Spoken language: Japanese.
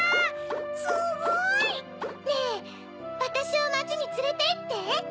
すごい！ねぇわたしをまちにつれていって！